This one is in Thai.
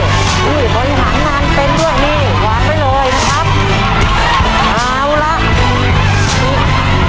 ตอนนี้ต้องกับแข่งกันทั้งแล้วแข่งกับเวลานะครับแข่งกับเวลาด้วยนะครับ